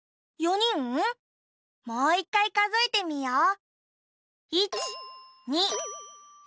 もう１かいかぞえてみよう。